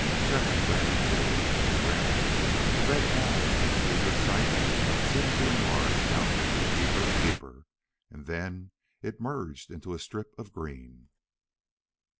Shefford ran, too, and as he ran the red wall in his eager sight seemed to enlarge downward, deeper and deeper, and then it merged into a strip of green.